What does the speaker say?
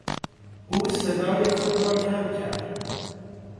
او صدای خود را کم کرد.